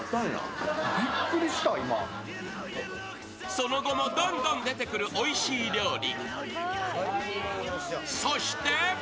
その後もどんどん出てくるおいしい料理。